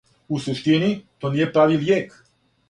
"У суштини, то није прави лијек."